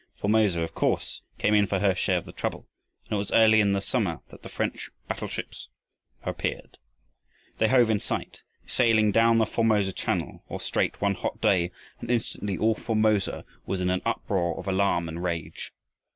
Formosa, of course, came in for her share of the trouble, and it was early in the summer that the French battle ships appeared. They hove in sight, sailing down the Formosa Channel or Strait one hot day, and instantly all Formosa was in an uproar of alarm and rage.